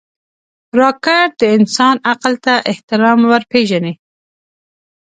راکټ د انسان عقل ته احترام ورپېژني